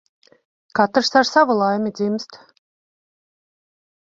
Katrs ar savu laimi dzimst.